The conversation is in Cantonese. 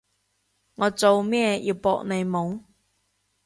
我做咩要搏你懵？